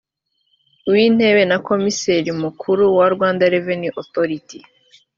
w intebe na komiseri mukuru wa rra